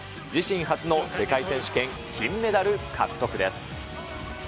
自身初の世界選手権金メダル獲得です。